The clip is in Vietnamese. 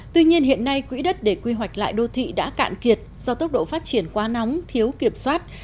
tuy nhiên hiện nay quỹ đất để quy hoạch lại đô thị đã cạn kiệt do tốc độ phát triển quá nóng thiếu kiểm soát